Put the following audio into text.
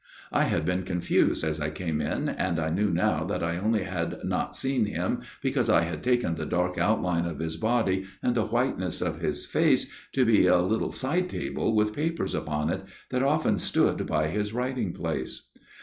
I had been confused as I came in, and I believe now that I only had not seen him, because I had taken the dark outline of his body, and the whiteness of his face, to be a little side :able with papers upon it, that often stood by his writing place.